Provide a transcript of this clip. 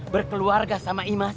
berkeluarga sama imas